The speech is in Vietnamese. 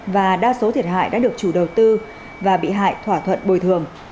và đa số thiệt hại đã được chủ đầu tư và bị hại thỏa thuận bồi thường